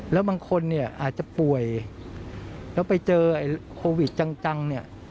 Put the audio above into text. แล้วบางคนเนี่ยอาจจะป่วยแล้วไปเจอโควิดจังเนี่ย